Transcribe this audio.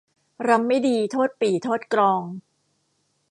รำไม่ดีโทษปี่โทษกลอง